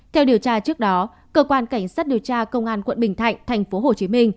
theo điều tra trước đó cơ quan cảnh sát điều tra công an quận bình thạnh tp hcm